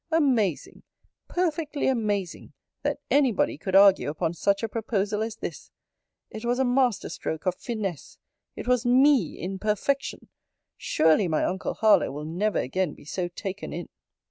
Amazing, perfectly amazing, that any body could argue upon such a proposal as this! It was a master stroke of finesse It was ME in perfection! Surely my uncle Harlowe will never again be so taken in!'